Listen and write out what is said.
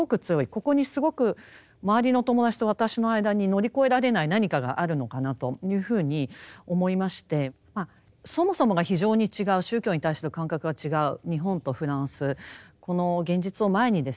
ここにすごく周りの友達と私の間に乗り越えられない何かがあるのかなというふうに思いましてそもそもが非常に違う宗教に対する感覚が違う日本とフランスこの現実を前にですね